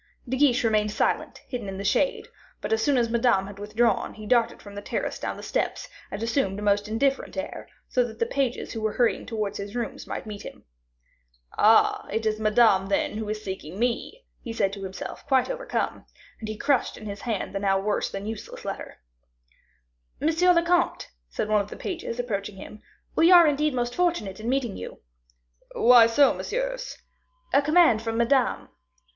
De Guiche remained silent, hidden in the shade; but as soon as Madame had withdrawn, he darted from the terrace down the steps and assumed a most indifferent air, so that the pages who were hurrying towards his rooms might meet him. "Ah! it is Madame, then, who is seeking me!" he said to himself, quite overcome; and he crushed in his hand the now worse than useless letter. "M. le comte," said one of the pages, approaching him, "we are indeed most fortunate in meeting you." "Why so, messieurs?" "A command from Madame."